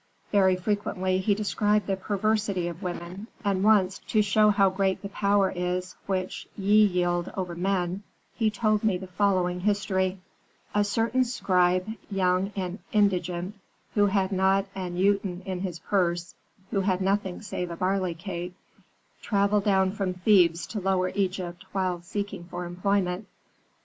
Very frequently he described the perversity of women, and once, to show how great the power is which ye wield over men, he told me the following history: "A certain scribe, young and indigent, who had not an uten in his purse, who had nothing save a barley cake, travelled down from Thebes to Lower Egypt while seeking for employment.